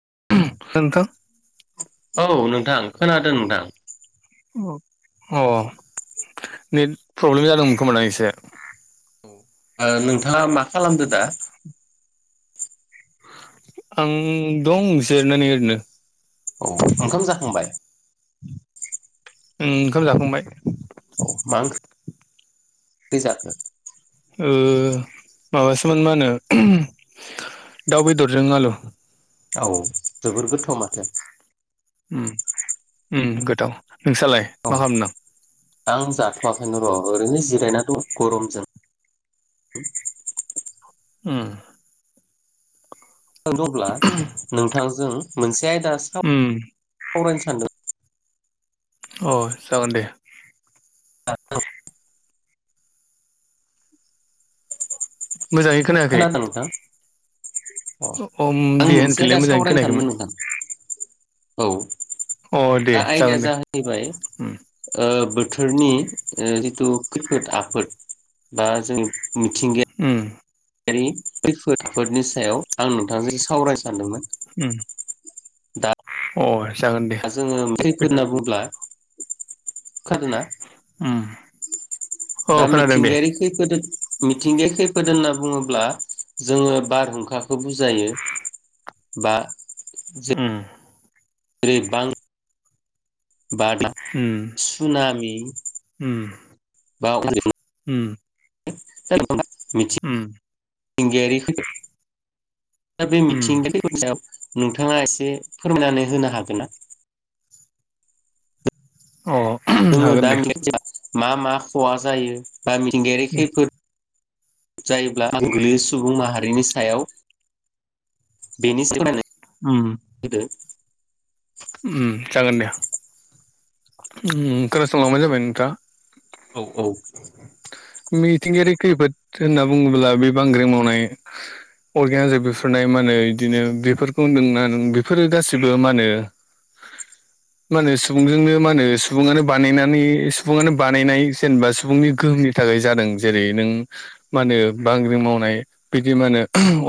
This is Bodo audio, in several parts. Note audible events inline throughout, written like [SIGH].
[UNINTELLIGIBLE] औ नोंथां खोनादों नोंथां औ औ नेट प्रब्लेम जादोंमोन खोमादां एसे ओ नोंथाङा मा खालामदो दा आं दंस जेरायनानै ओरैनो औ ओंखाम जाखांबाय ओं ओंखाम जाखांबाय गोजा ओ माबासोमोन मा होनो दाउ बेदरजों आलु औ जोबोर गोथाव माथो उम उम गोथाव नोंस्रालाय औ मा खालामदों आं जाथ'वाखैनो र' ओरैनो जिरायना दं गरमजों [INAUDIBLE] ओम [UNINTELLIGIBLE] नोंथांजों मोनसे आयदा उम सावरायनो सानदों अ जागोन दे [UNINTELLIGIBLE] मोजाङै खोनायाखै खोनादों नोंथां अ आं दे मोनसे होनफिनलाय दा मोजाङै सावरायनो खोनायाखैमोन सानदों नोंथां औ अ दे दा जागोन आयदाया दे जाहैबाय ओ उम बो बोथोरनि जिथु खैफोद आफोद बा जों मिथिंगाया उम [UNINTELLIGIBLE] खैफोद आफोदनि सायाव आं नोंथांजों सावराय सानदोंमोन उम अ जागोन दे दा जोङो खैफोद होनना बुंब्ला खोनादोंना उम अ दा खोनादों दे मिथिंगायारि खैफोद मिथिंगाया खैफोद होनना बुङोब्ला जोङो बारहुंखाखौ बुजायो बा ओम जेरै बां बा उम सुबनामि उम [UNINTELLIGIBLE] उम [UNINTELLIGIBLE] उम मिथिंगायारि खै दा बे उम मिथिंगाफोरनि सायाव नोंथाङा एसे फोरमायना होनो हागोन ना औ जोङो दा [UNINTELLIGIBLE] मा मा खहा जायो बा मिथिंगायारिारि खैफोद जायोब्ला गोहोम गोलैै सुबुं माहारिनि सायाव बेनि [UNINTELLIGIBLE] उम होदो उम जागोन दे खोनासंलांबानो जाबाय नोंथाङा औ औ मिथिंगायारि खैफोद होनना बुङोब्ला बे बांग्रि मावनाय अरगें हाजो बेरफुनाय मा होनो इदिनो बेफोरखौ होनदोंना नों बेफोरो गासिबो मा होनो मा होनो सुबुंजोंनो मा होनो सुबुङानो बानायनानै सुबुङानो बानायनाय जेनेबा सुबुंनि गोहोमनि थाखाय जादों जेरै नों मा होनो बांग्रि मावनाय बिदि मा होनो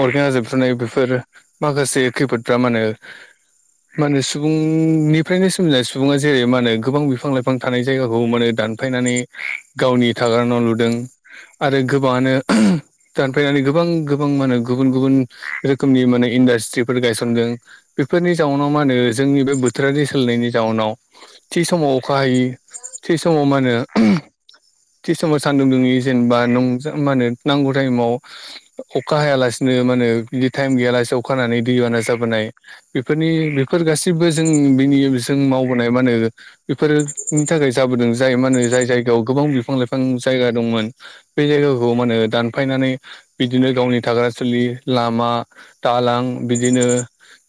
अरगें हाजो फ्रुनाय बेफोर माखासे खैफोदफ्रा मा होनो मा होनो सुबुंनिफ्रायनो सोमजिनाय सुबुङा जेरै मा नो गोबां बिफां लाइफां थानाय जायगाखौ माने दानफायनानै गावनि थाग्रा न' लुदों। आरो गोबाङानो दानफायनानै गोबां गोबां मा होनो गुबुन गुबुन रोखोमनि माने इनडास स्थ्रितफोर‌ गायसनदों बेफोरनि जाउनाव मा होनो जोंनि बे बोथोरारि सोलायनायनि जाउनाव थि समाव अखा हायै थि समाव मा होनो थि समाव सान्दुं दुङिनि जेनेबा नं मा होनो नांगौ टाइमाव अखा हायालासिनो मा होनो बिदि टाइम गैयालासेनो अखा हानानै दै बाना जाबोनाय बेनि बेफोर गासिबो जों बिनि जों मावबोनाय मा होनो बेफोरोनि थाखाय जाबोदों जाय मा होनो जाय जायगायाव गोबां बिफां लाइफां जायगा दंमोन बे जायगाखौ मा होनो दानफायनानै बिदिनो गावनि थाग्रा सुलि लामा दालां बिदिनो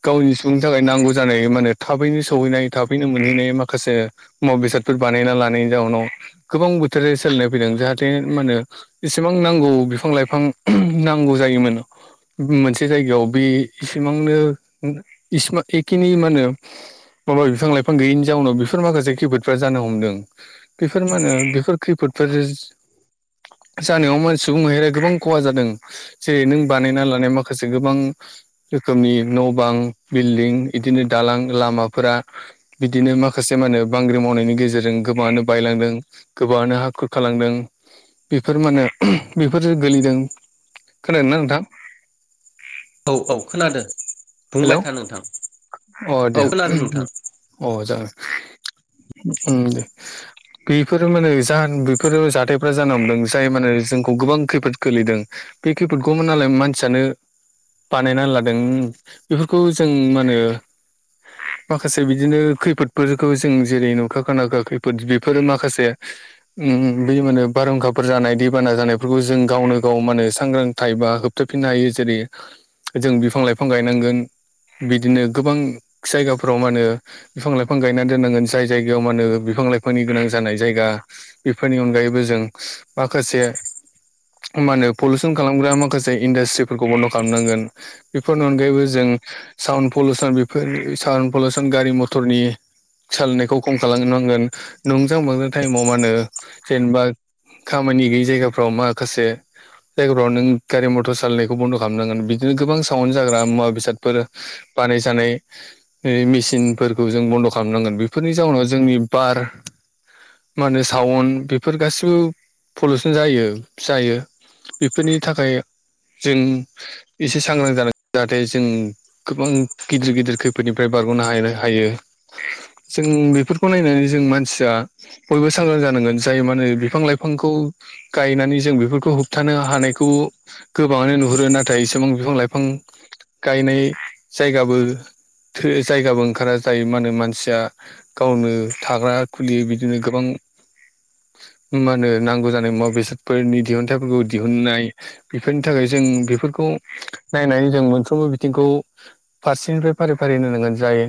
गावनि सुबुंनि थाखाय नांगौ जानाय मानो थाबैनो सौहैनाय थाबैनो मोनहैनाय मा खासे मुवा बेसादफोर बानायना लानायनि जाउनाव गोबां बोथोर सोलायनाय फैदों जाहाथे मानो इसेबां नांगौ बिफां लाइफां नांगौ जायोमोन मोनसे जायगायाव बे इसिबांनो [UNINTELLIGIBLE] एखिनि मा होनो माबा बिफां लाइफां गैयैनि जाउनाव बे फोर माखासे खैफोदफ्रा जानो हमदों बेफोर मा होनो बेफोर खैफोदफोर जानायाव मा सुबुं माहारिया गोबां खहा जादों जेरै नों बानायना लानाय माखासे गोबां रोखोमनि न' बां बिल्दिं इदिनो दालां लामाफोरा बिदिनो मा माखासे मा होनो बांग्रि मावनायनि गेजेरजों गोबाङानो बायलांदों गोबाङानो हाखुरखालांदों। बेफोर मानो बेफोरजो गोलैदों। खोनादोंना नोंथां? औ औ खोनादो। हेलौ अ औ दे खोनादों नोंथां अ जागोन। उम दे बेफोरो मानो जा बेफोर जाथायफ्रा जानो हमदों जाय मानो जोंखौ गोबां खैफोद खोलैदों। बे खैफोदखौ नालाय मानसियानो बानायना लादों उम। बेफोरखौ जों मा होनो माखासे बिदिनो खैफोदफोरखौ जों जेरै नुखा खोनाखा खैफोद बेफोरो माखासे उम बै मानो बारहुंखाफोर जानाय दैबाना जानायफोरखौ जों गावनो गाव माने सांग्रांथायबा होबथाबफिननो हायो जेरै जों बिफां लाइफां गायनांगोन। बिदिनो गोबां जायगाफोराव मानो बिफां लाइफां गायना दोननांगोन जाय जायगायाव मानो बिफां लाइ फांनि गोनां जानाय जायगा बेफोरनि अनगायैबो जों माखासे मा होनो पलुउसन खालामग्रा माखासे इन्डासट्रिफोरखौ बन्द' खालामनांगोन बेफोरनि अनगायैबो जों साउन्ड पलुउसन बेफोर साउन पलिउसन गारि मथरनि सालायनायखौ खम खालामनांगोन नंजां मांजां टाइमाव मा होनो जेनबा खामानि गैयि जायगाफ्राव माखासे जायगाफ्राव नों गारि मथर सालायनायखौ बन्द' खालामनांगोन बिदिनो गोबां सावन जाग्रा मुवा बेसाद फोर बानायजानाय मेसिनफोरखौ जों बन्द' खालामनांगोन बेफोरनि जाउनाव जोंनि बार मा होनो साावन बेफोर गासिबो पलिउसन जायो जायो। बेफोरनि थाखाय जों एसे सांग्रां जानाय जाहाथे जों गोबां गिदिर गिदिर खैफोदनिफ्राय बारग'नो हायनो हायो। जों बेफोरखौ नायनानै जों मानसिया बयबो सांग्रां जानांगोन जाय मानो बिफां लाइ फांखौ गायनानै जों बेफोरखौ होबथानो हानायखौ गोबाङानो नुहुरो नाथाय एसेबां बिफां लाइफां गायनाय जायगाबो थ जायगाबो ओंखारा जायो मा होनो मानसिया गावनो थाग्रा खुलि बिदिनो गोबां [INAUDIBLE] मा होनो नांगौ जानाय मुवा बेसादफोरनि दिहुनथाइफोरखौ दिहुनन्नाय बेफोरनि थाखाय जों बेफोरखौ नायनानै जों मोनफ्रोमबो बिथिंखौ फारसेनिफ्राय फारि फारि होन नांगोन जाय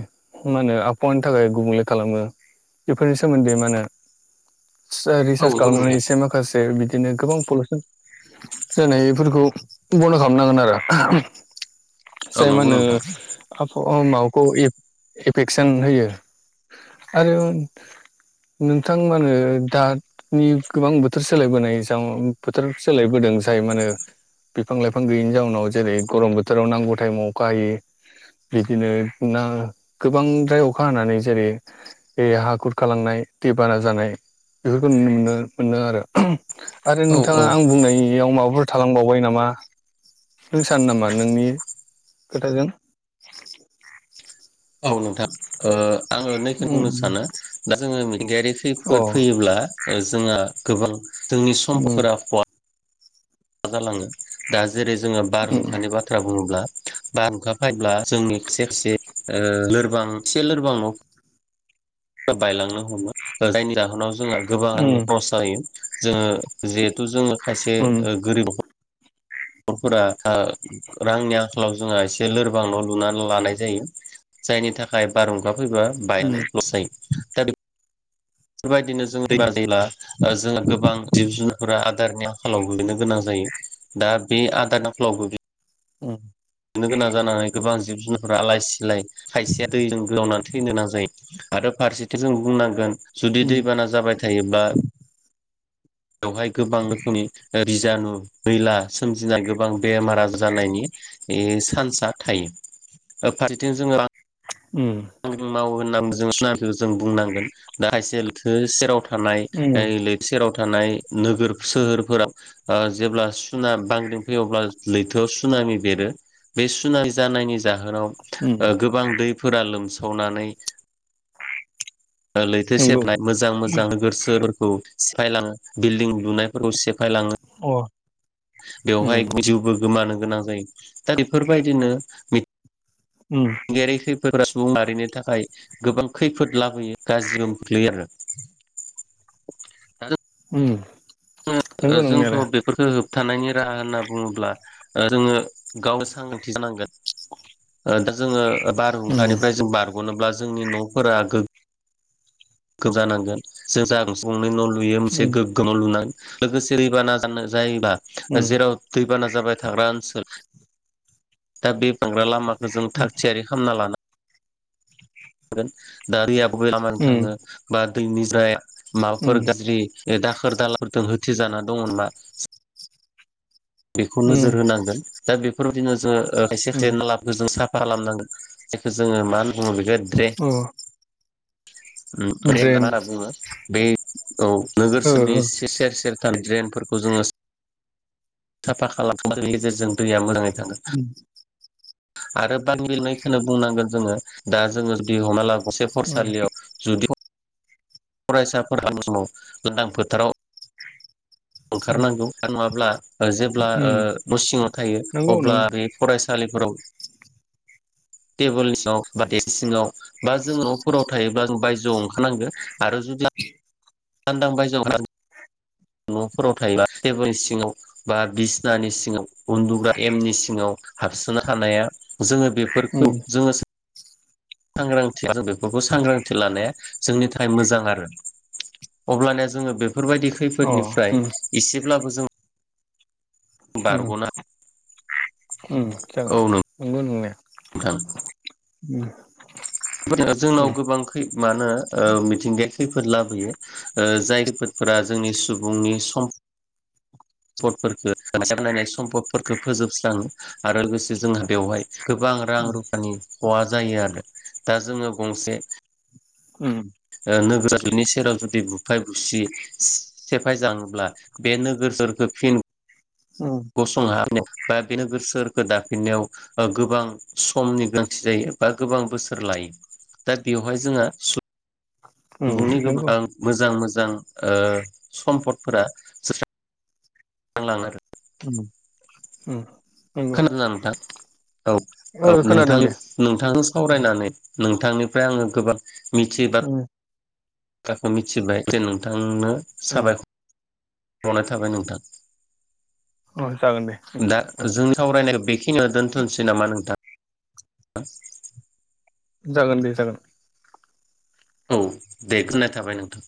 मा होनो आबहावानि थाखाय गुबुंले खालामो बेफोरनि सोमोन्दै मा होनो औ रिसार्च नंगौ खालामनानै नोंथां एसे माखासे बिदि बिदिनो गोबां पलिउसन जानाय बेफोरखौ बन्द' खालामनांगोन आरो औ जाय मा नंगौ होनो नोंथां आबहावा माबाखौ एफेकसन होयो आरो नोंथां मानो दानि गोबां बोथोर सोलायबोनाय बोथोर सोलायबोदों जाय माने बिफां लाइफां गैयैनि जाउनाव जेरै गरम बोथोराव नांगौ टाइमाव अखा हायोै बिदिनो ना गोबांद्राय अखा हानानै जेरै हाखुरखालांनाय दैबाना जानाय बेफोरखौ नुनो मोन मोनो आरो आरो औ नोंथाङा औ आं बुंनायनियाव माबाफोर थालांबावबाय नामा नों सानो नामा नोंनि [UNINTELLIGIBLE] औ नोंथां आङो नैखौ उम बुंनो सानो दा जोङोगारि अ खैफोद फैयोब्ला जोंहा गोबां जोंनि उम समफोरा [UNINTELLIGIBLE] जालाङो दा जेरै जोङो उम बारहुंखानि बाथ्रा बुङोब्ला बारहुंखा फैब्ला जोंनि खिसे खायसे लोरबां एसे लोरबां न' बायलांनो हमो जायनि जाहोनाव जोंहा गोबांनि खरसा जायो जोङो जिहेथु जोङो खायसे उम [UNINTELLIGIBLE] न'खरफोरा रांनि आंखालाव जोंहा एसे लोरबां न' लुनानै लानाय जायो जायनि थाखाय बारहुंखा फैबाबायनानै लस जायो दा बेफोरबायदिनो जों दैमा दैला जोंहा गोबां जिब जुनारफोरा आदारनि आंखालावबोनो गोनां जायो दा बे आदारनि आंखालावबो औ नो गोनां जानानै गोबां जिब जुनारफोरा आलाय सिलाय खायसेया दैजों गोजावनानै थैनो गोनां जायो आरो फारसेथिं जों बुंनांगोन जुदि उम दैबाना जाबाय थायोब्ला बेवहाय गोबां रोखोमनि बिजानु मैला दिना गोबां बेमार आजार जानायनि चान्स थायो फारसेथिं जोङो उम उम मावो होननानै जोंखौ जों बुंनांगोन दा हायसेलथो सेराव थ थानाय उम लबसे राव थानाय थानाय नोगोर सोहोरफोराव जेब्ला सुना बांग्रिं फैयो अब्ला लैथोआव सुना बेरो बे सुनाय जानायनि जाहोनाव उम गोबां दैफोरा लोमसावनानै लैथो नंगौ सेरनाय मोजां मोजां नोगोर सोहोराव सिफायलाङो बिल्डिं लुनायफोरखौ सिफायलाङो अ बेवहाय उम जिउबो गोमानो गोनां जायो दा बेफोरबायदिनो उम [UNINTELLIGIBLE] खैफोदा सुबुं माहारिनि थाखाय गोबां खैफोद लाबोयो गाज्रिबो खोख्लैयो आरो [INAUDIBLE] उ जोंथ' बेफोरखौ होबथानायनि राहा होनना बुङोब्ला जोङो गावनो सांग्रांथि जानांगोन दा जोङो उम बारहुंखानिफ्राय जों बारग'नोब्ला जोंनि न'फोरा गो जानांगोन जों ज नु मोनसे उम गोग्गोमाव लु लोगोसे दैबाना जायोब उम जेराव दैाना जाबाय थाग्रा ओनसोल दा बे बांग्रा लामाखौ जों थाग थियारि खालामना लानो गोन दा दैआ बबे लामानि उम थाङो बा दैनिफ्राय माबाफोर उम गाज्रि बे दाखोर दालाजों होथिजाना दङ नामा बेखौ उम नोजोर होनांगोन दा बेफोरबायदिनो जों खायसे उम खायना लाबखौ जों साफ खालामनांगोन जायखौ जोङो मा होनना बुङो बेखौ अ द्रे ड्रेन नना मा बुङो बे औ नोगोर ओ सोरनि सेर सेर थानाय ड्रेन फोरखौ जोङो साफा खालामनायनि गेजेरजों दैया मोजाङै थागोन उम आरो बान बिलनायखौ बुंनांगोन जोङो दा जोङो बिहना लाबो गंसे फरायसालियाव जुदि फरायसाफोरा आं समाव गोनां फोथाराव उम ओंखारनांगौ नङाब्ला जेब्ला ओ उम न' सिङाव थायो नंगौ अब्ला नों बे फरायसा तालिपुराव [INAUDIBLE] टेबोल सिङाव बा देक्स सिङाव बा जों न'फोराव थायोब्ला बायजोआव ओंखारनांगोन आरो जुदि लानदां बायजोआव न'फोराव थायोबा टेबोलनि सिङाव बा बिसनानि सिङाव उन्दुग्रा एमनि सिङाव हाबसोना थानाया जोङो बेफोरखौ उम जोङो सांग्रां बेफोरखौ सांग्रांथि लानाया जोंनि थाखाय मोजां आरो अब्लाना जोङो बेफोरबायदि अ खैफोदनिफ्राय उम एसेब्लाबो जों बारग'ना ओं जागोन नंगौ नंनाया नोंथां जोंनाव उम गोबांखै मा होनो ओ मिथिंगाया खैफोद लाबोयो ओ जाय खैफोदफोरा जोंनि सुबुंनि सम पदफोरखो बनायनाय सम्पदफोरखो फोजोबस्राङो आरो लोगोसे जोंहा बेवहाय गोबां रां उम रुफानि ख'हा जायो आरो दा जोङो गंसे ओम ओ नोगोरारिनि सेराव जुदि बुफाय बुसि सेफाय जाङोब्ला बे नोगोर फोरखो फिन उम गसं हान [UNINTELLIGIBLE] दा बे नोगोर सोहोरखौ दाफिननायाव ओ गोबां समनि गोनांथि जायो बा गोबां बोसोर लायो । दा बेवहाय जोंहा सु उम सुबुंनि नंगौ गोबां मोजां मोजां मोजां ओ सम्पदफोरा [UNINTELLIGIBLE] लाङो ओम ओम खोनादोना नोंथां औ औ ओ नोंथां खोनादों दे नोंथांजों सावरायनानै नोंथांनिफ्राय आङो गोबां मिथियै बाथ्रा उम खौ मिथिबाय जे नोंथांनो उम साबायख'र बावनाय थाबाय नोंथां अ जागोन दे नोंथां दा उम जोंनि सावरायनायखौ बेखि खिनियाव दोनथ'नोसै नामा नोंथां? जागोन दे जागोन । औ दे गोननाय थाबाय नोंथां